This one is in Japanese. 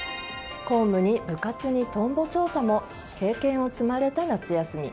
公務に部活にトンボ調査も経験を積まれた夏休み。